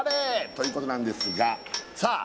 ということなんですがさあ